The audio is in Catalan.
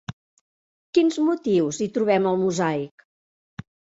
Quins motius hi trobem al mosaic?